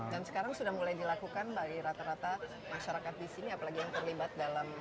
dan sekarang sudah mulai dilakukan bagi rata rata masyarakat disini apalagi yang terlibat dalam